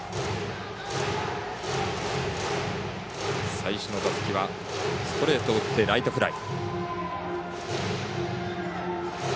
最初の打席はストレートを打ってライトフライ。